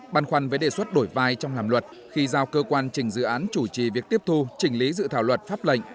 băn khoăn với đề xuất đổi vai trong làm luật khi giao cơ quan trình dự án chủ trì việc tiếp thu chỉnh lý dự thảo luật pháp lệnh